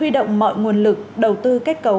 huy động mọi nguồn lực đầu tư kết cấu